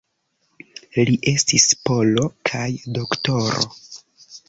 Li estis polo kaj doktoro.